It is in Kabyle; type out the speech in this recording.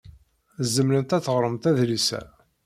Tzemremt ad teɣṛemt adlis-a.